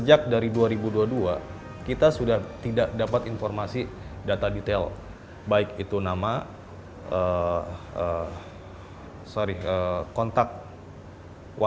jadi pihak ekspedisi sebetulnya juga tidak memiliki data lengkap si pembeli